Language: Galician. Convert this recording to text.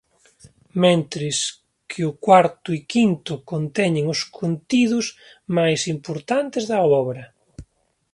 Mentres que o cuarto e quinto conteñen os contidos máis importantes da obra.